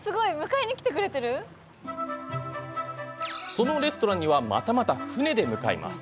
そのレストランにはまたまた船で向かいます。